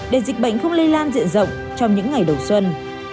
để dịch bệnh không lây lan diện rộng trong những ngày đầu xuân